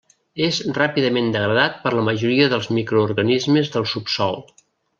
És ràpidament degradat per la majoria dels microorganismes del subsòl.